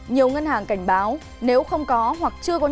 nhiều ngân hàng cảnh báo